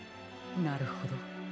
なるほど。